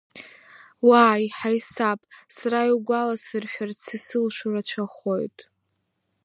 Уааи, ҳаисап, сара иугәаласыршәарц исылшо рацәахоит.